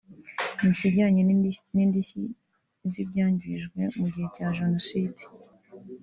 ni ikijyanye n’indishyi z’ibyangijwe mu gihe cya Jenoside